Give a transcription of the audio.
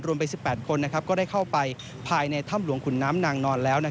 ไป๑๘คนก็ได้เข้าไปภายในถ้ำหลวงขุนน้ำนางนอนแล้ว